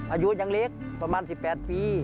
อายุยังเล็กประมาณ๑๘ปี